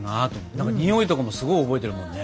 何かにおいとかもすごい覚えてるもんね。